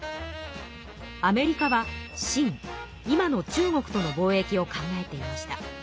アメリカは清今の中国との貿易を考えていました。